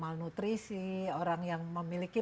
malnutrisi orang yang memiliki